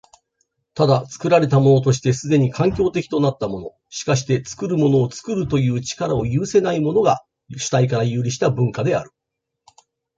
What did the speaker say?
ただ、作られたものとして既に環境的となったもの、しかして作るものを作るという力を有せないものが、主体から遊離した文化である。